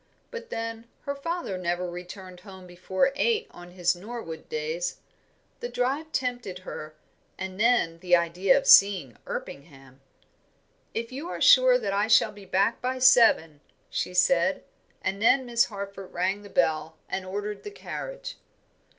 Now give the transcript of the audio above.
But then, her father never returned home before eight on his Norwood days. The drive tempted her, and then, the idea of seeing Erpingham. "If you are sure that I shall be back by seven," she said; and then Miss Harford rang the bell and ordered the carriage.